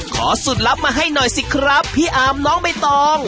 ขอสูตรลับมาให้หน่อยสิครับพี่อาร์มน้องใบตอง